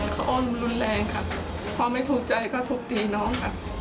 พ่อมรุนแรงพ่อไม่ทูลใจก็ทูลตีน้อง